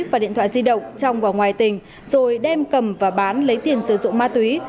và điện thoại di động trong và ngoài tỉnh rồi đem cầm và bán lấy tiền sử dụng ma túy